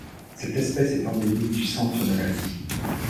Cette espèce est endémique du centre de l'Asie.